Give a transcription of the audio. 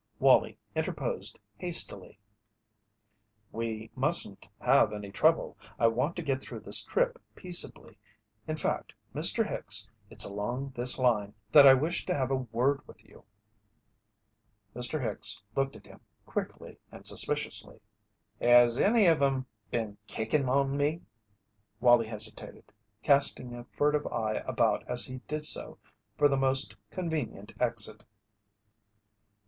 Wallie interposed hastily: "We mustn't have any trouble. I want to get through this trip peaceably. In fact, Mr. Hicks, it's along this line that I wished to have a word with you." Mr. Hicks looked at him quickly and suspiciously. "Has any of 'em been kickin' on me?" Wallie hesitated, casting a furtive eye about as he did so for the most convenient exit.